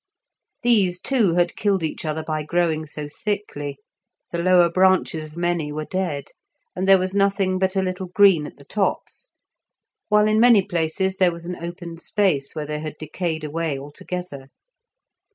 These, too, had killed each other by growing so thickly; the lower branches of many were dead, and there was nothing but a little green at the tops, while in many places there was an open space where they had decayed away altogether.